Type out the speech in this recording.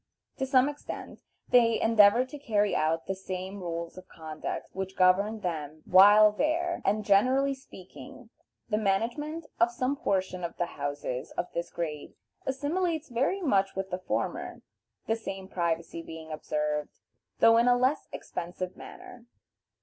To some extent, they endeavor to carry out the same rules of conduct which governed them while there, and, generally speaking, the management of some portion of the houses of this grade assimilates very much with the former, the same privacy being observed, though in a less expensive manner.